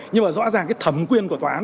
nhưng mà rõ ràng cái thẩm quyền của tòa án